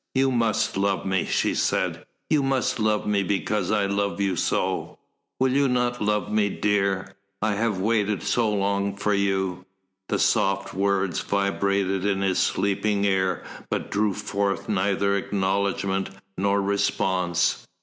"You must love me," she said, "you must love me because I love you so. Will you not love me, dear? I have waited so long for you!" The soft words vibrated in his sleeping ear but drew forth neither acknowledgment nor response.